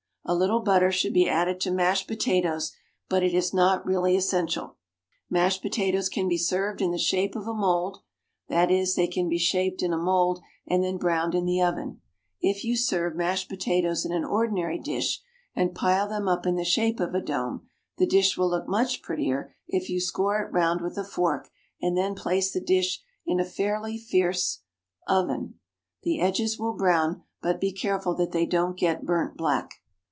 A little butter should be added to mashed potatoes, but it is not really essential. Mashed potatoes can be served in the shape of a mould, that is, they can be shaped in a mould and then browned in the oven. If you serve mashed potatoes in an ordinary dish, and pile them up in the shape of a dome, the dish will look much prettier if you score it round with a fork and then place the dish in a fairly fierce even; the edges will brown, but be careful that they don't get burnt black.